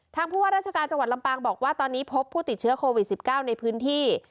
ผู้ว่าราชการจังหวัดลำปางบอกว่าตอนนี้พบผู้ติดเชื้อโควิด๑๙ในพื้นที่